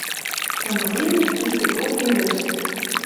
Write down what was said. Цымыренӹт Христофор йӹрӹштӹ.